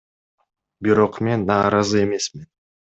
Бирок мен нааразы эмесмин.